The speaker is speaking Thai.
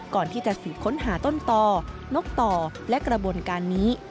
ก่อนที่จะสืบค้นหาต้นต่อนกต่อและกระบวนการนี้